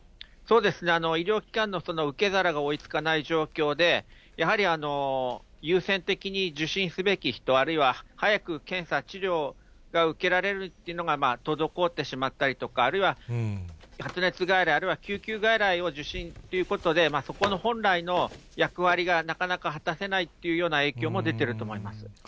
医療機関のその受け皿が追いつかない状況で、やはり優先的に受診すべき人、あるいは早く検査、治療が受けられるっていうのが、滞ってしまったりだとか、あるいは発熱外来、あるいは救急外来を受診っていうことで、そこの本来の役割がなかなか果たせないっていうような影響も出てると思います。